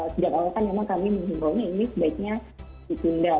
sejak awal kami memang menghimbau ini sebaiknya ditindal